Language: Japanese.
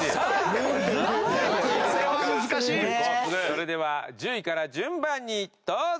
それでは１０位から順番にどうぞ！